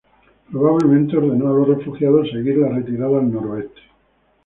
Probablemente ordenó a los refugiados seguir la retirada al noroeste.